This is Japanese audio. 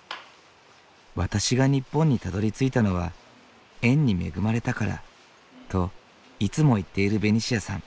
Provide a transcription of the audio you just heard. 「私が日本にたどりついたのは縁に恵まれたから」といつも言っているベニシアさん。